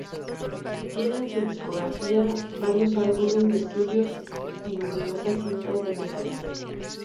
Tiene en su discografía varios álbumes de estudio y numerosas cintas de mezclas.